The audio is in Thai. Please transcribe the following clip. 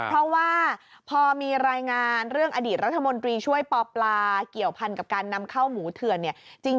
เพราะว่าพอมีรายงานเรื่องอดีตรัฐมนตรีช่วยปปลาเกี่ยวพันกับการนำเข้าหมูเถื่อนเนี่ย